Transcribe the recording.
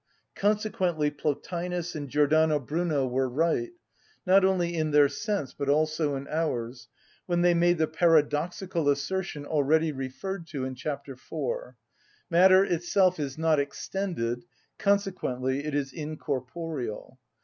Consequently Plotinus and Giordano Bruno were right, not only in their sense but also in ours, when they made the paradoxical assertion already referred to in chapter 4: Matter itself is not extended, consequently it is incorporeal.